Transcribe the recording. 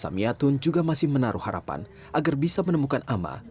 samiatun juga masih menaruh harapan agar bisa menemukan ama